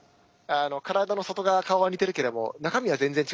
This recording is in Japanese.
体の外側顔は似てるけども中身は全然違います。